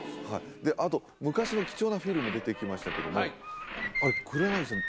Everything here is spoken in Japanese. あと昔の貴重なフィルム出てきましたけどもあれ黒柳さん